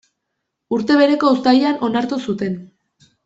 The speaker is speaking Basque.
Urte bereko uztailean onartu zuten.